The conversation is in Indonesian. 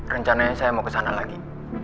rencananya saya mau kesana lagi